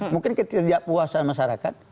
mungkin ketika puasa masyarakat